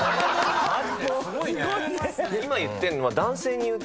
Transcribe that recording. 今言ってるのは男性に？